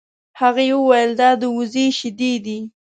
هغې وویل دا د وزې شیدې دي.